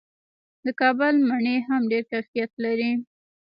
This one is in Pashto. د کابل مڼې هم ډیر کیفیت لري.